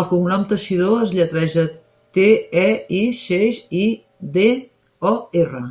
El cognom 'Teixidor' es lletreja te, e, i, xeix, i, de, o, erra.